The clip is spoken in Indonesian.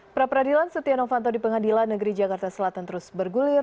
pra peradilan setia novanto di pengadilan negeri jakarta selatan terus bergulir